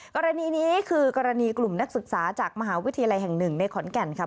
กรณีนี้คือกรณีกลุ่มนักศึกษาจากมหาวิทยาลัยแห่งหนึ่งในขอนแก่นค่ะ